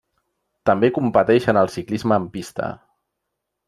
També competeix en el ciclisme en pista.